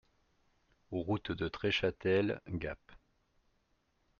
Route de Treschâtel, Gap